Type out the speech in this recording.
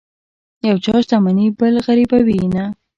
د یو چا شتمني بل غریبوي نه.